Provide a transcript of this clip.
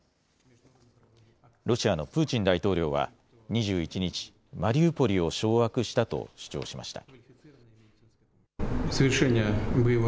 ロシアのプーチン大統領は２１日、マリウポリを掌握したと主張しました。